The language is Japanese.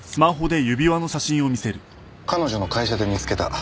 彼女の会社で見つけた。